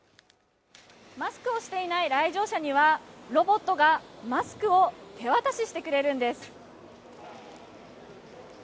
マスクをしていない来場者にはロボットがマスクを手渡ししてくれるんです